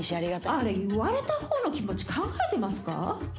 あれ言われたほうの気持ち考えてますか？